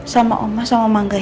sama omah sama mangga ya